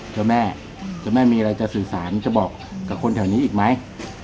เจ้าแม่เจ้าแม่มีอะไรจะสื่อสารจะบอกกับคนแถวนี้อีกไหม